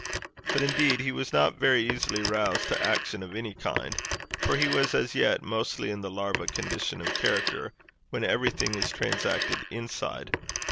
But, indeed, he was not very easily roused to action of any kind; for he was as yet mostly in the larva condition of character, when everything is transacted inside.